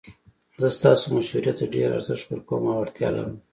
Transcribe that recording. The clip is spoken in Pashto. زه ستاسو مشورې ته ډیر ارزښت ورکوم او اړتیا لرم